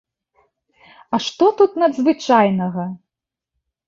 А што тут надзвычайнага?